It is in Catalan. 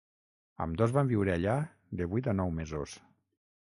Ambdós van viure allà de vuit a nou mesos.